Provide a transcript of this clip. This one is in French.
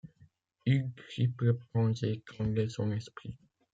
Une triple pensée tendait son esprit.